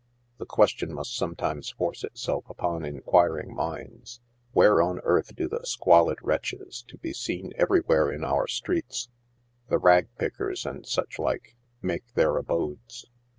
The question must sometimes force itself upon inquiring minds. t; Where on earth do the squalid wretches, to be seen everywhere in our streets — the rag pickers and such like— make their abodes?"'